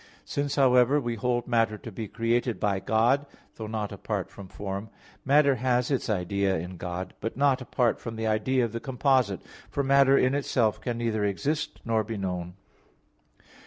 Since, however, we hold matter to be created by God, though not apart from form, matter has its idea in God; but not apart from the idea of the composite; for matter in itself can neither exist, nor be known.